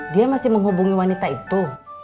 dia masih menghubungi wanita itu